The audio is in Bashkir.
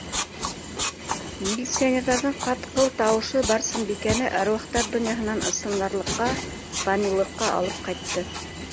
- Милиционерҙың ҡатҡыл тауышы Барсынбикәне әруахтар донъяһынан ысынбарлыҡҡа, фанилыҡҡа алып ҡайтты.